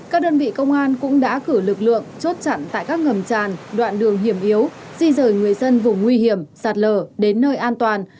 các đơn vị công an cũng đã cử lực lượng chốt chặn tại các ngầm tràn đoạn đường hiểm yếu di rời người dân vùng nguy hiểm sạt lở đến nơi an toàn